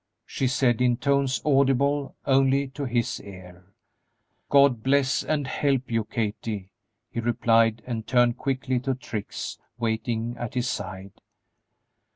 she said, in tones audible only to his ear. "God bless and help you, Kathie!" he replied, and turned quickly to Trix waiting at his side.